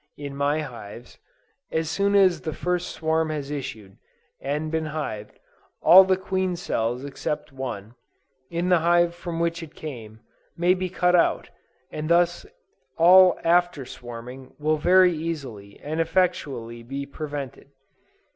In my hives, as soon as the first swarm has issued, and been hived, all the queen cells except one, in the hive from which it came, may be cut out, and thus all after swarming will very easily and effectually be prevented.